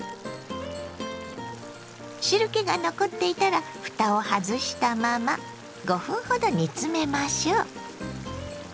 汁けが残っていたらふたを外したまま５分ほど煮詰めましょ。